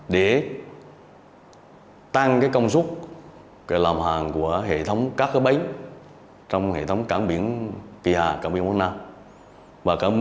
để tăng công suất làm hàng của hệ thống các bến trong hệ thống cảng biển kỳ hà cảng biển quảng nam